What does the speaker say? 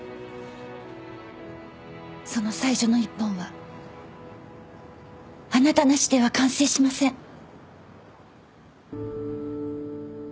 その最初の一本はあなたなしでは完成しません。